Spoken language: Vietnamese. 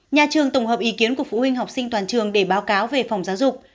nhà trường tổng hợp ý kiến của phụ huynh học sinh toàn trường để báo cáo về phòng giáo dục